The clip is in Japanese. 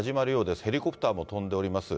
ヘリコプターも飛んでおります。